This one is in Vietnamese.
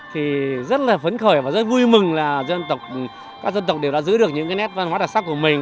thì rất là phấn khởi và rất vui mừng là các dân tộc đều đã giữ được những cái nét văn hóa đặc sắc của mình